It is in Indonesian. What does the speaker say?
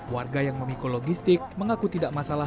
warga yang memikul logistik mengaku tidak masalah